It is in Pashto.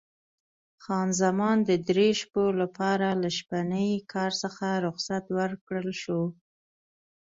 خان زمان د درې شپو لپاره له شپني کار څخه رخصت ورکړل شوه.